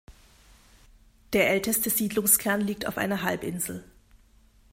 Der älteste Siedlungskern liegt auf einer Halbinsel.